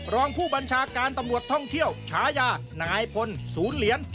รองผู้บัญชาการตำรวจท่องเที่ยวฉายานายพลศูนย์เหรียญ